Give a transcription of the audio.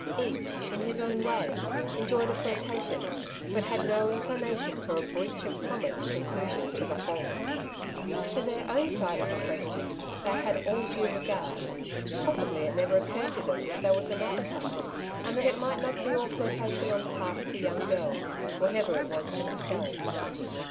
Each, in his own way, enjoyed a flirtation, but had no inclination for a ^^ breach of promise " conclusion to the whole. To their own side of the 90 " Two Sides to every Question.*^ question they liad all due regard ; possibly it never occurred to them that there was another side^ and that it might not be all flirtation on the part of the young girls, whatever it was to themselves.